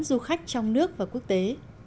du khách trong nước và quốc tế